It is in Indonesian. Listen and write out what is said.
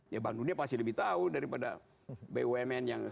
ya bank dunia pasti lebih tahu daripada bumn yang